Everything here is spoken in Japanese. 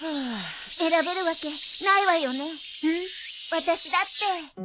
私だって。